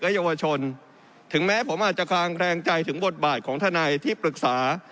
เยาวชนถึงแม้ผมอาจจะคลางแคลงใจถึงบทบาทของทนายที่ปรึกษา